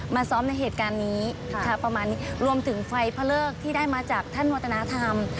ซ้อมในเหตุการณ์นี้ค่ะประมาณนี้รวมถึงไฟพระเลิกที่ได้มาจากท่านวัฒนธรรม